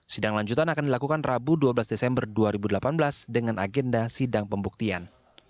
sidang lanjutan akan dilakukan rabu dua belas desember dua ribu delapan belas dengan agenda sidang pembuktian